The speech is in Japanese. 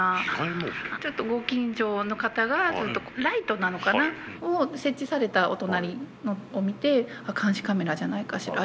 ちょっとご近所の方がライトなのかな？を設置されたお隣を見て監視カメラじゃないかしら？